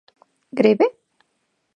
Gribi?